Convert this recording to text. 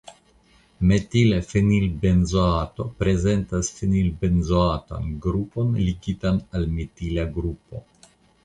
Metila fenilbenzoato prezentas fenilbenzoatan grupon ligitan al metila grupo.